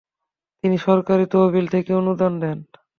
তিনি সরকারি তহবিল থেকে অনুদান দেন।